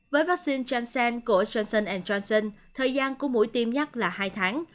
với vaccine transent của johnson johnson thời gian của mũi tiêm nhắc là hai tháng